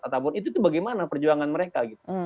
ataupun itu bagaimana perjuangan mereka